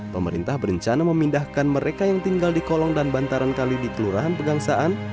pemerintah berencana memindahkan mereka yang tinggal di kolong dan bantaran kali di kelurahan pegangsaan